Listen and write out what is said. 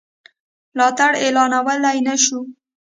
ملاتړ اعلانولای نه شو.